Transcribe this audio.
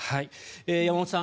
山本さん